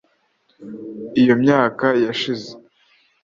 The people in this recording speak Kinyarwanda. iyo myaka yashize